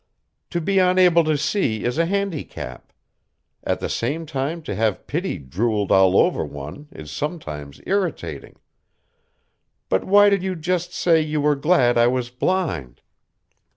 "To be unable to see is a handicap. At the same time to have pity drooled all over one is sometimes irritating. But why did you just say you were glad I was blind?"